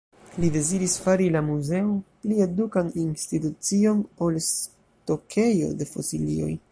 Li deziris fari la Muzeon pli edukan institucion, ol stokejo de fosilioj.